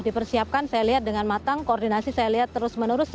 dipersiapkan saya lihat dengan matang koordinasi saya lihat terus menerus